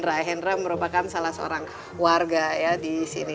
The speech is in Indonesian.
dan hendra merupakan salah seorang warga di sini